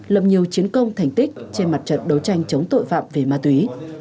lập nhiều chiến công thành tích trên mặt trận đấu tranh chống tội phạm về ma túy